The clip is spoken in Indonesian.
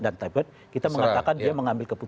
dan kita mengatakan dia mengambil keputusan